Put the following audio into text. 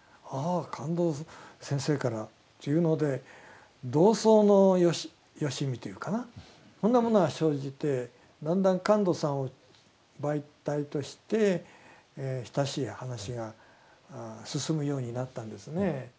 「ああカンドウ先生から」というので同窓のよしみというかなそんなものが生じてだんだんカンドウさんを媒体として親しい話が進むようになったんですね。